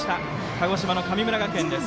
鹿児島の神村学園です。